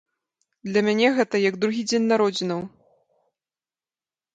Для мяне гэта як другі дзень народзінаў.